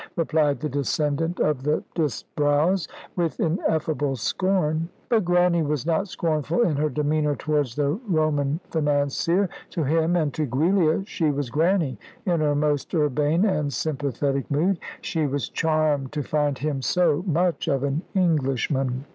replied the descendant of the Disbrowes, with ineffable scorn. But Grannie was not scornful in her demeanour towards the Roman financier. To him, and to Giulia, she was Grannie in her most urbane and sympathetic mood. She was charmed to find him so much of an Englishman.